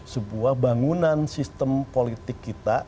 sebuah bangunan sistem politik kita